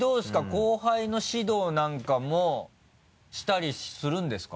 後輩の指導なんかもしたりするんですか？